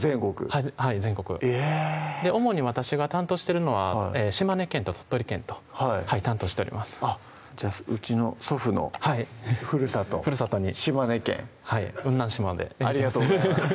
はい全国えぇ主に私が担当してるのは島根県と鳥取県と担当しておりますじゃあうちの祖父のふるさとふるさとに島根県はい雲南市までありがとうございます